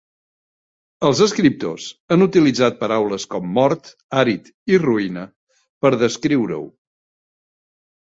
Els escriptors han utilitzat paraules com "mort", "àrid" i "ruïna" per descriure-ho.